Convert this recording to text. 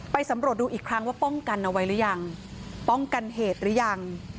สำรวจดูอีกครั้งว่าป้องกันเอาไว้หรือยังป้องกันเหตุหรือยัง